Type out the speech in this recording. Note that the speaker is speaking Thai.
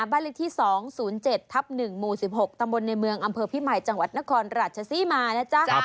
บ้านเลขที่๒๐๗ทับ๑หมู่๑๖ตำบลในเมืองอำเภอพิมายจังหวัดนครราชศรีมานะจ๊ะ